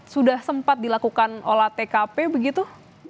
sudah sempat dilakukan olah tkp begitu